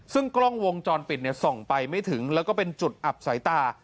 ซึ่งกล้องวงจรปิดส่องไปไม่ถึงแล้วก็เป็นจุดอับสายตา